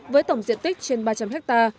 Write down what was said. với tổng diện tích trên ba trăm linh ha